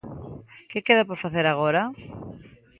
-Que queda por facer agora?